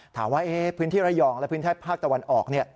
ถามว่าพื้นที่ระยองและพื้นที่ภาคตะวันออก